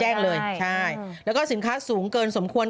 ออกไม่ได้ใช่แล้วก็สินค้าสูงเกินสมควร